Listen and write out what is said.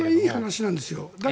あれはいい話なんですよ。